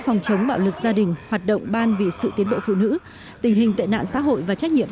phòng chống bạo lực gia đình hoạt động ban vì sự tiến bộ phụ nữ tình hình tệ nạn xã hội và trách nhiệm